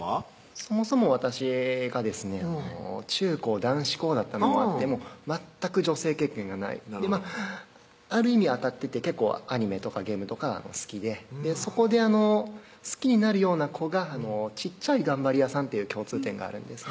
そもそも私がですね中高男子校だったのもあって全く女性経験がないある意味当たってて結構アニメとかゲームとか好きでそこで好きになるような子が小っちゃい頑張り屋さんっていう共通点があるんですね